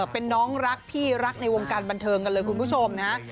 เป็นน้องรักพี่รักในวงการบันเทิงกันเลยคุณผู้ชมนะฮะ